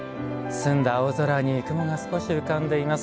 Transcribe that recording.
澄んだ青空に雲が少し浮かんでいます。